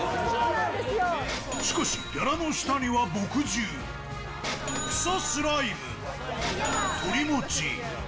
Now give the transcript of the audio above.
しかし、ギャラの下には墨汁、臭スライム、鳥もち。